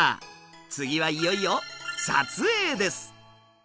次はいよいよ撮影です。